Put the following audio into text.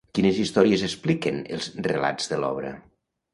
Quines històries expliquen els relats de l'obra?